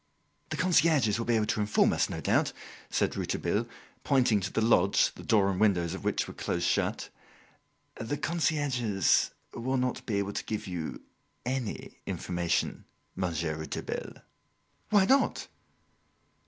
"The concierges will be able to inform us no doubt?" said Rouletabille, pointing to the lodge the door and windows of which were close shut. "The concierges will not be able to give you any information, Monsieur Rouletabille." "Why not?"